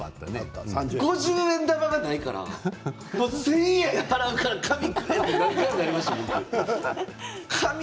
五十円玉がないから１０００円払うから紙をくれということがありました。